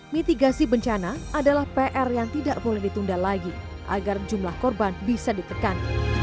mitigasi bencana adalah pr yang tidak boleh ditunda lagi agar jumlah korban bisa ditekan